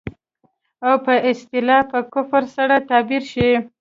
او په اصطلاح په کفر سره تعبير شي.